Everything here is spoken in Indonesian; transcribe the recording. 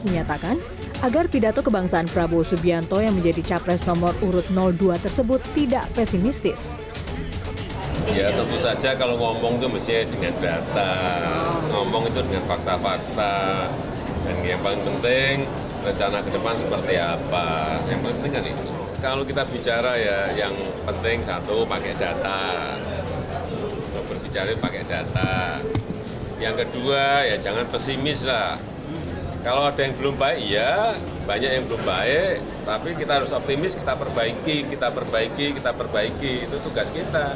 menyatakan agar pidato kebangsaan prabowo subianto yang menjadi capres nomor urut dua tersebut tidak pesimistis